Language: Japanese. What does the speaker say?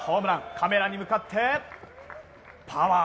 カメラに向かって、パワー！